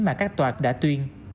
mà các tòa đã tuyên